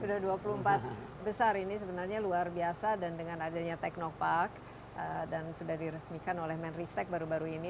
sudah dua puluh empat besar ini sebenarnya luar biasa dan dengan adanya teknopark dan sudah diresmikan oleh menristek baru baru ini